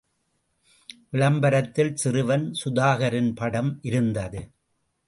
விளம்பரத்தில் சிறுவன் சுதாகரின் படம் இருந்தது.